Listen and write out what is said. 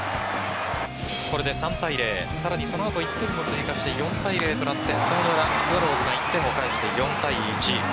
これで３対０、さらにその後１点を追加して４対０となってその裏、スワローズが１点を返して４対１。